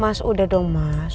mas udah dong mas